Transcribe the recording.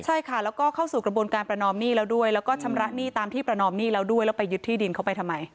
ใช่ค่ะแล้วก็เข้าสู่กระบวนการประนอมหนี้แล้วด้วยแล้วก็ชำระหนี้ตามที่ประนอมหนี้แล้วด้วยแล้วไปยึดที่ดินเขาไปทำไม